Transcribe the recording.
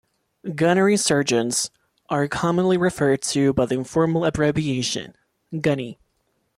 Gunnery sergeants are commonly referred to by the informal abbreviation "gunny".